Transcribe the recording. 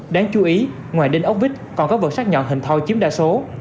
đáng chú ý ngoài đinh ốc vít còn có vật sát nhọn hình thoi chiếm đa số